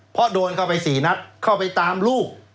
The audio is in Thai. เพราะโดนเข้าไป๔นัดเข้าไปตามลูก